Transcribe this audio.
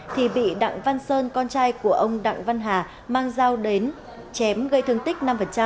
thì bị đặng văn sơn con trai của ông đặng văn hà mang dao đến chém gây thương tích năm